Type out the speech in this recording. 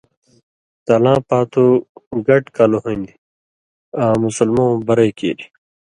تلاں پاتُو گڈ کل ہُون٘دیۡ آں مُسلمؤں برئ کیریۡ۔